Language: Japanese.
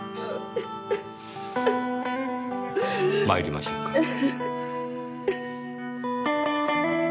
参りましょうか。